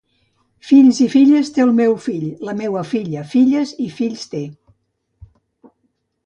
Fills i filles té el meu fill; la meua filla, filles i fills té;